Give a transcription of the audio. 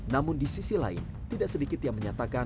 namun di sisi lain tidak sedikit yang menyatakan